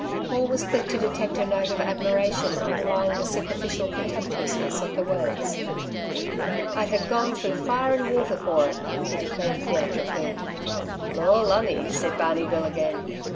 Paul was quick to detect a note of admiration underlying the superficial contemptuousness of the words. "I'd ha' gone through fire and water for it," he declared theatrically. "Lor' lumme!" said Barney Bill again.